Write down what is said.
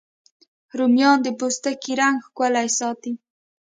رومیان د پوستکي رنګ ښکلی ساتي